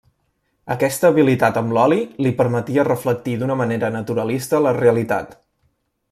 Aquesta habilitat amb l'oli li permetia reflectir d'una manera naturalista la realitat.